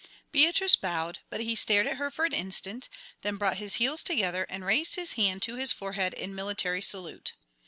Beatrice bowed, but he stared at her for an instant, then brought his heels together and raised his hand to his forehead in military salute.